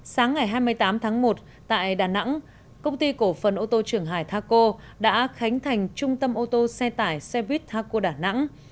sáng ngày hai mươi tám tháng một tại đà nẵng công ty cổ phần ô tô trường hải taco đã khánh thành trung tâm ô tô xe tải xe buýt taco đà nẵng